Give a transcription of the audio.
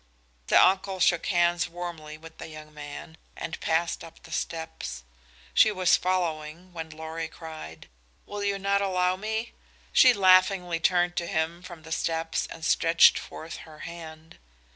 The uncle shook hands warmly with the young man and passed up the steps. She was following when Lorry cried, "Will you not allow me?" She laughingly turned to him from the steps and stretched forth her hand.